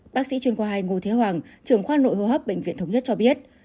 bác sĩ truyền khoa hai ngô thế hoàng trường khoa nội hô hấp bệnh viện thống nhất cho biết